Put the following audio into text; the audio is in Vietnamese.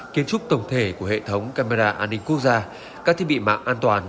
kiến trúc tổng thể của hệ thống camera an ninh quốc gia các thiết bị mạng an toàn